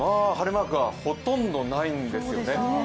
晴れマークがほとんどないんですよね。